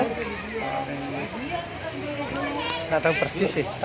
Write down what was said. tidak tahu persis sih